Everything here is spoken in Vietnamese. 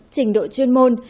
trình độ chuyên môn